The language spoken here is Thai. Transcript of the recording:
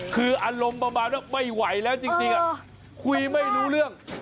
คืออารมณ์ประมาณว่าไม่ไหวแล้วจริงคุยไม่รู้เรื่อง